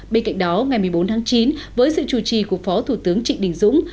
bên cạnh đó ngày một mươi bốn tháng chín với sự chủ trì của phó thủ tướng trịnh đình dũng